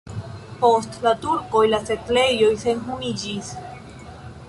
Post la turkoj la setlejo senhomiĝis.